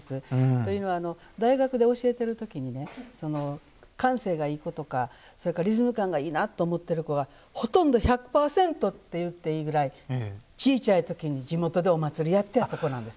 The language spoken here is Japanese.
というのは、大学で教えてる時に感性がいい子とかリズム感がいいなと思っている子はほとんど１００％と言っていいぐらい小ちゃい時に地元でお祭りやってはった子なんです。